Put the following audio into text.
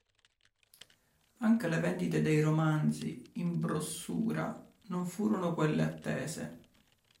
Anche le vendite dei romanzi in brossura non furono quelle attese.